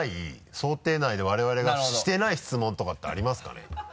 想定内で我々がしてない質問とかってありますかね？